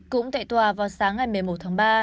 cũng tại tòa vào sáng ngày một mươi một tháng ba